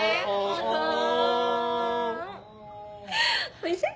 おいしい？